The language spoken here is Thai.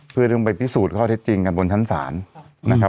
เพื่อต้องไปพิสูจน์ข้อเท็จจริงกันบนชั้นศาลนะครับ